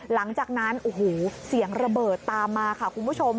หลังจากนั้นโอ้โหเสียงระเบิดตามมาค่ะคุณผู้ชม